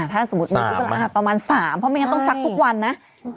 ถ้าสมมุติมีช่วงเวลาประมาณ๓เพราะไม่งั้นต้องซักทุกวันนะ